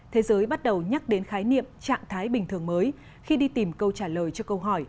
thế giới bắt đầu nhắc đến khái niệm trạng thái bình thường mới khi đi tìm câu trả lời cho câu hỏi